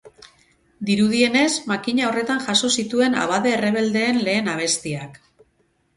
Dirudienez, makina horretan jaso zituen abade errebeldeen lehen abestiak.